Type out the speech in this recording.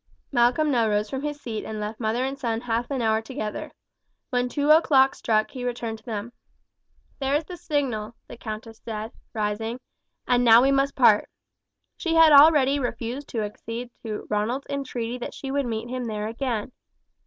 Malcolm now rose from his seat and left mother and son half an hour together. When two o'clock struck he returned to them. "There is the signal," the countess said, rising, "and now we must part." She had already refused to accede to Ronald's entreaty that she would meet him there again.